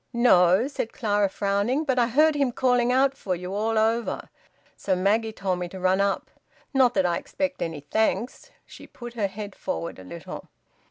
"No," said Clara, frowning. "But I heard him calling out for you all over. So Maggie told me to run up. Not that I expect any thanks." She put her head forward a little.